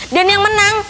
dan yang menang